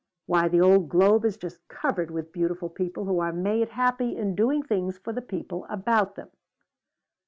Why the old globe is just covered with beautiful people who are made happy in doing things for the people about them."